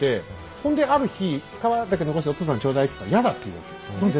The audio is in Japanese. それである日皮だけ残してお父さんにちょうだいって言ったらやだって言うわけ。